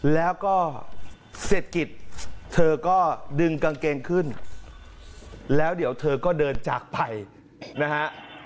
แล้วก็เศรษฐกิจเธอก็ดึงกางเกงขึ้นแล้วเดี๋ยวเธอก็เดินจากไปนะฮะ